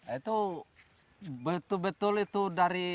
itu betul betul itu dari